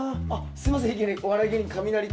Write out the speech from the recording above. すいません